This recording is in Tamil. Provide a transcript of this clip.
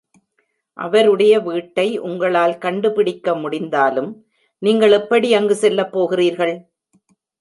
அவருடைய வீட்டை உங்களால் கண்டுபிடிக்க முடிந்தாலும், நீங்கள் எப்படி அங்கு செல்லப் போகிறீர்கள்?